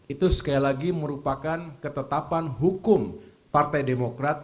itu sekali lagi merupakan ketetapan hukum partai demokrat